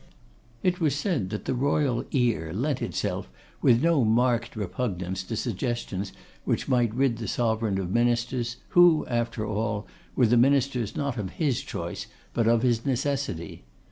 It was said that the royal ear lent itself with no marked repugnance to suggestions which might rid the sovereign of ministers, who, after all, were the ministers not of his choice, but of his necessity.